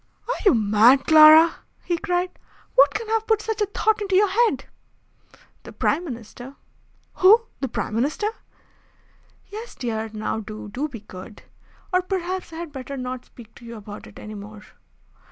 "Are you mad, Clara!" he cried. "What can have put such a thought into your head?" "The Prime Minister." "Who? The Prime Minister?" "Yes, dear. Now do, do be good! Or perhaps I had better not speak to you about it any more."